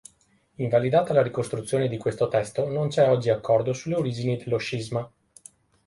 Invalidata la ricostruzione di questo testo, non c'è oggi accordo sulle origini dello scisma.